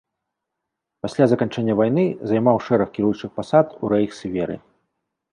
Пасля заканчэння вайны займаў шэраг кіруючых пасад у рэйхсверы.